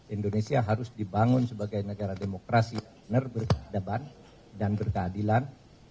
indonesia harus dibangun sebagai negara demokrasi benar berkedaban dan berkeadilan